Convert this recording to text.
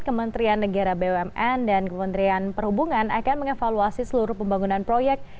kementerian negara bumn dan kementerian perhubungan akan mengevaluasi seluruh pembangunan proyek